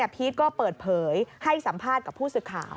พีชก็เปิดเผยให้สัมภาษณ์กับผู้สื่อข่าว